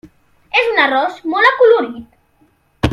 És un arròs molt acolorit.